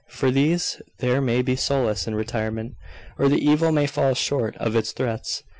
For these there may be solace in retirement, or the evil may fall short of its threats.